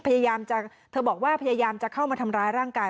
พยายามจะเข้ามาทำร้ายร่างกาย